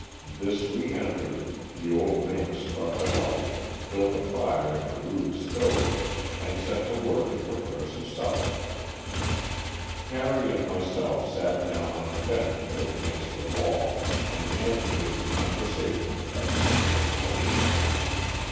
This we entered, the old man struck a light, built a fire in a rude stove 18 Stories from the Adirondack^. and set to work to prepare some supper. Harry and myself sat down on a bench built against the wall and entered into conversation with our strange host.